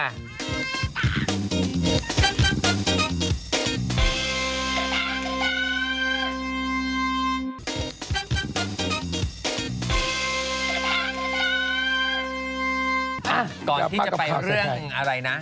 อ่ะก่อนที่จะไปเรื่องอะไรนะ